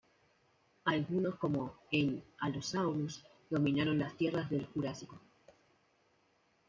Algunos como el "Allosaurus" dominaron las tierras del Jurásico.